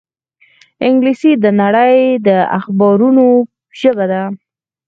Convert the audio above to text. انګلیسي د نړۍ د اخبارونو ژبه ده